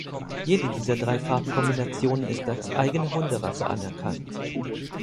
Jede dieser drei Farbkombinationen ist als eigene Hunderasse anerkannt.